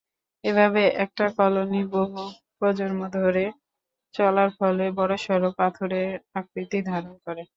এভাবে একটা কলোনি বহু প্রজন্ম ধরে চলার ফলে বড়সড় পাথুরে আকৃতি ধারণ করে।